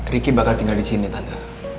ricky bakal tinggal disini tante